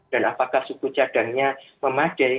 dan apakah suku cadangnya memadai